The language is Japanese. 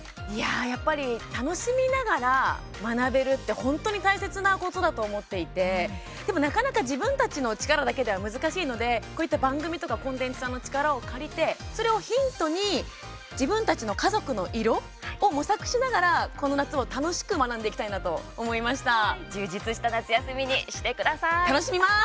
やっぱり楽しみながら学べるって本当に大切なことだと思っていてでも、なかなか自分たちの力だけでは難しいのでこういった番組とかコンテンツさんの力を借りてそれをヒントに自分たちの家族の色を模索しながら、この夏を楽しく充実した夏休みに楽しみます。